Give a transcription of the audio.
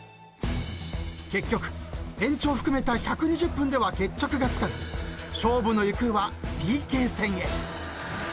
［結局延長を含めた１２０分では決着がつかず勝負の行方はＰＫ戦へ］